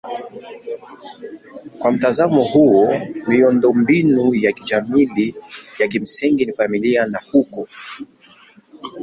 Kwa mtazamo huo miundombinu ya kijamii ya kimsingi ni familia na ukoo.